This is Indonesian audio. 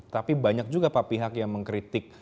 tapi banyak juga pak pihak yang mengkritik